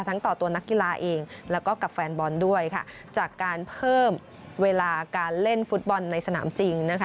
ต่อตัวนักกีฬาเองแล้วก็กับแฟนบอลด้วยค่ะจากการเพิ่มเวลาการเล่นฟุตบอลในสนามจริงนะคะ